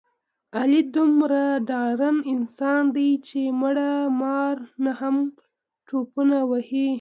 علي دومره ډارن انسان دی، چې مړه مار نه هم ټوپونه وهي.